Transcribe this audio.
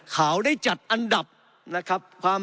เขาได้จัดอันดับนะครับ